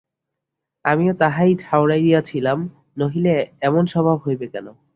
আমিও তাহাই ঠাওরাইয়াছিলাম, নহিলে এমন স্বভাব হইবে কেন।